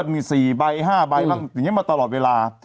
มี๔๕ใบมาตลอดเวลา